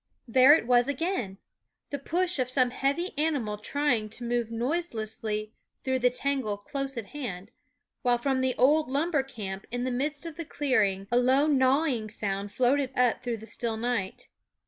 There it was again ! the push of some heavy animal trying to' move noiselessly through the tangle close at hand ; while from the old lumber camp in the midst of the clearing a low gnaw ing sound floated up through the still night.